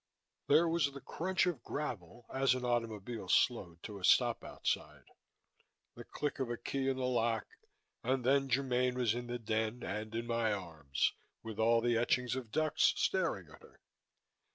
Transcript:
There was the crunch of gravel as an automobile slowed to a stop outside, the click of a key in the lock and then Germaine was in the den and in my arms, with all the etchings of ducks staring at her.